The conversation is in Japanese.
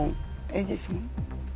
エジソン。